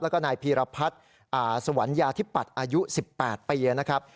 แล้วก็นายพีรพัฒน์สวรรยาธิปัตย์อายุ๑๘ปีนะครับ